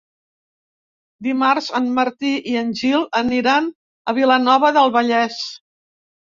Dimarts en Martí i en Gil aniran a Vilanova del Vallès.